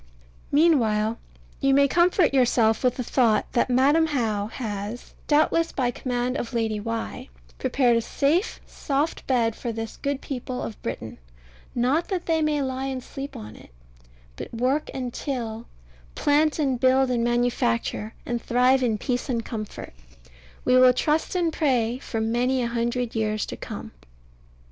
Meanwhile you may comfort yourself with the thought that Madam How has (doubtless by command of Lady Why) prepared a safe soft bed for this good people of Britain not that they may lie and sleep on it, but work and till, plant and build and manufacture, and thrive in peace and comfort, we will trust and pray, for many a hundred years to come.